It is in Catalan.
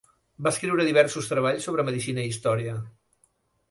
Va escriure diversos treballs sobre medicina i història.